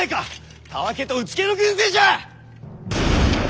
たわけとうつけの軍勢じゃ！